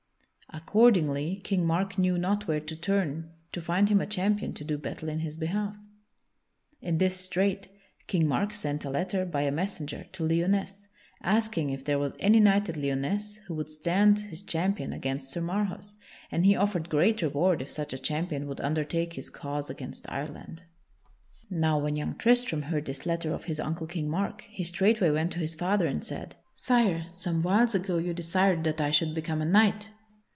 Accordingly, King Mark knew not where to turn to find him a champion to do battle in his behalf. In this strait, King Mark sent a letter by a messenger to Lyonesse, asking if there was any knight at Lyonesse who would stand his champion against Sir Marhaus, and he offered great reward if such a champion would undertake his cause against Ireland. [Sidenote: Tristram asks leave to go to Cornwall] Now when young Tristram heard this letter of his uncle King Mark, he straightway went to his father and said: "Sire, some whiles ago you desired that I should become a knight.